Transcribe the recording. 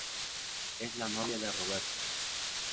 Es la novia de Roberto.